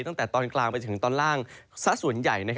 ตั้งแต่ตอนกลางไปจนถึงตอนล่างซะส่วนใหญ่